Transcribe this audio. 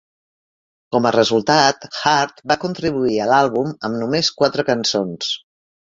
Com a resultat, Hart va contribuir a l'àlbum amb només quatre cançons.